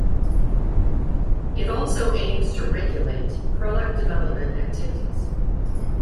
It also aims to regulate product development activities.